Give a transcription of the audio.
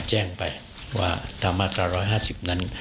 แจ้งไปว่าตรา๑๕๐นั้น